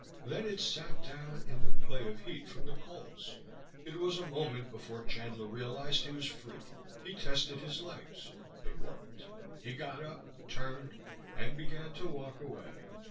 Then it sat down, in the play of heat from the coals. It was a moment before Chandler realized he was free. He tested his legs; they worked; he got up, turned and began to walk away.